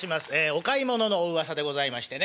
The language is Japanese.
お買い物のおうわさでございましてね。